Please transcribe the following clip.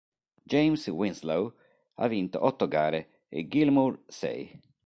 James Winslow ha vinto otto gare e Gilmour sei.